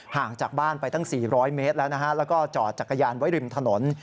ห่างจากบ้านไปตั้ง๔๐๐เมตรแล้วนะฮะแล้วก็จอดจักรยานไว้ริมถนน